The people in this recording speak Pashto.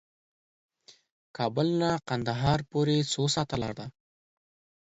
کابل نه قندهار پورې څو ساعته لار ده؟